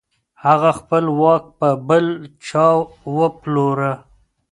هغه خپل واک په بل چا وپلوره.